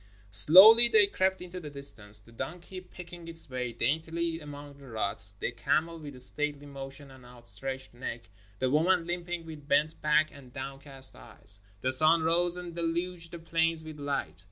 Slowly they crept into the distance , the donkey picking its way daintily among the ruts, the camel with stately motion and outstretched neck, the woman limping with bent back and downcast eyes. The sun rose and deluged the plains with light.